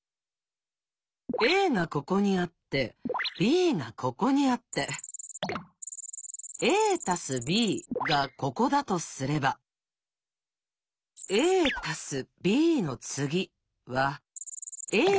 「ａ」がここにあって「ｂ」がここにあって「ａ＋ｂ」がここだとすれば「ａ」＋「ｂの次」はのすぐ隣。